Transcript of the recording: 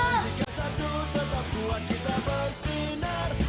dan jika satu tetap kuat kita bersinar